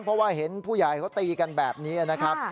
เพราะว่าเห็นผู้ใหญ่เขาตีกันแบบนี้นะครับ